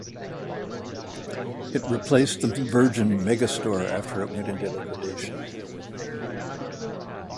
It replaced the Virgin Megastore after it went into liquidation.